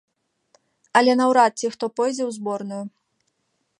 Але наўрад ці хто пойдзе ў зборную.